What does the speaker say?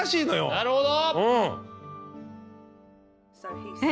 なるほど！